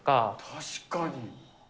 確かに。